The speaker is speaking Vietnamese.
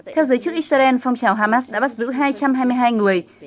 theo giới chức israel phong trào hamas đã bắt giữ hai trăm hai mươi hai người